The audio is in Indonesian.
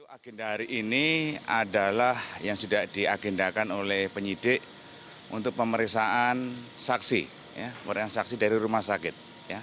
agenda hari ini adalah yang sudah diagendakan oleh penyidik untuk pemeriksaan saksi dari rumah sakit